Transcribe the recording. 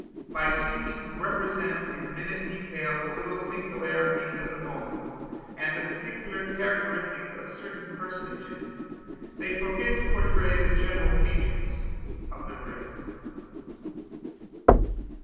By seeking to represent in minute detail the little singularities of the moment and the peculiar characteristics of certain personages, they forget to portray the general features of the race.